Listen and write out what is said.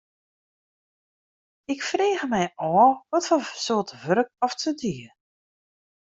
Ik frege my ôf watfoar soarte wurk oft se die.